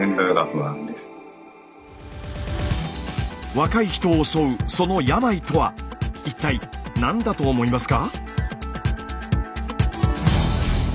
若い人を襲うその病とは一体何だと思いますか？